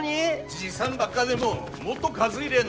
じいさんばっかでももっと数いりゃあ